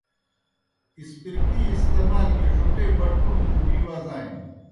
اسپرکی استعمال گیْ ڙُوکے بٹُوݨیْ پُھٹِی وزانیْ۔